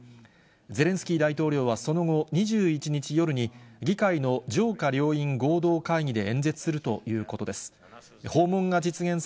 ゼレンスキー大統領はその後、２１日夜に、議会の上下両院合同会議で演説するということです。